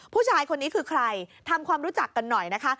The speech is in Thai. ผู้ชายคนนี้คือใครทำความรู้จักกันหน่อยนะคะ